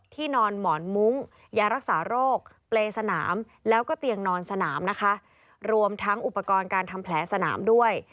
นอนหมอนมุ้งยารักษาโรคเปรย์สนามแล้วก็เตียงนอนสนามนะคะรวมทั้งอุปกรณ์การทำแผลสนามด้วย